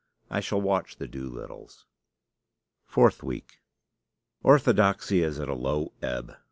I shall watch the Doolittles. FOURTH WEEK Orthodoxy is at a low ebb.